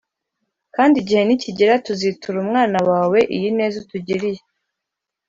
kandi igihe nikigera tuzitura umwana wawe iyi neza utugiriye."